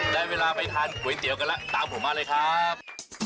ได้เวลาไปทานก๋วยเตี๋ยวกันแล้วตามผมมาเลยครับ